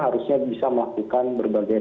harusnya bisa melakukan berbagai